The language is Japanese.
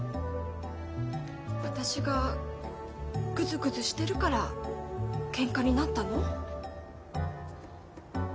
私がグズグズしてるからけんかになったの？